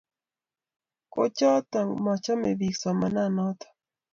kuchoto machame biik somananato